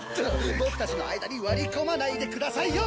僕たちの間に割り込まないでくださいよ！